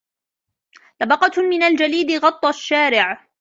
طبقة من الجليد غًطى الشارع.